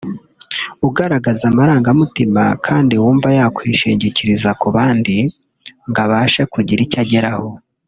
ugaragaza amarangamutima kandi wumva yakwishingirikiriza ku bandi ngo abashe kugira icyo ageraho